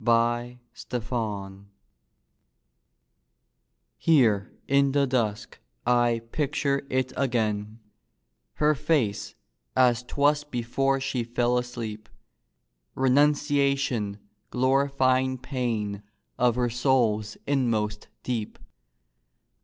REMEMBERED Here in the dusk I picture it again, Her face, as 'twas before she fell asleep: Renunciation glorifying pain Of her soul's inmost deep.